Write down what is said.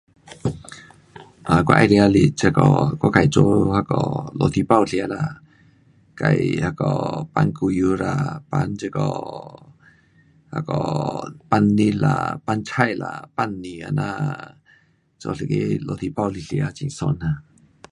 啊我爱吃是这个我自做那个 roti 包吃啦，自那个放牛油啦，放这个那个放肉啦，放菜啦，放鸡蛋这样，做一个 roti 包来吃，很爽啦。